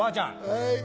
はい。